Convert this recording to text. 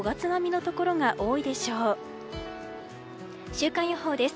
週間予報です。